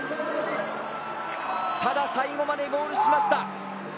ただ、最後までゴールしました。